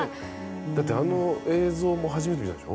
だってあの映像も初めて見たんでしょ？